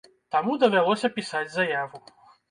Таму давялося пісаць заяву.